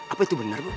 apa itu benar bu